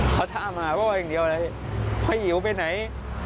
เขาถามมาว่าอย่างเดียวอะไรว่าหิวไปไหน